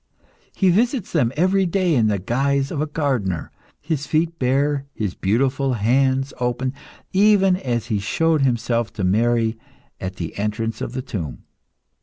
He visits them every day in the guise of a gardener, His feet bare, His beautiful hands open even as He showed Himself to Mary at the entrance of the tomb.